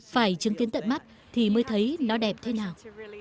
phải chứng kiến tận mắt thì mới thấy nó đẹp thế nào